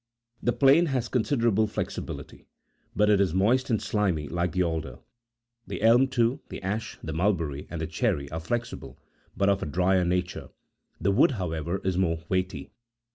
The plane has considerable flexibility, but it is moist and slimy like the alder. _ The elm, too, the ash, the mulberry, and the cherry, are flexible, but of a drier nature ; the wood, however, is more weighty.